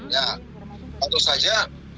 ya atau saja